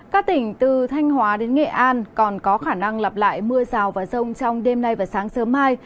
các tỉnh từ thanh hóa đến nghệ an còn có khả năng lặp lại mưa rào và rông trong đêm nay và sáng sớm mai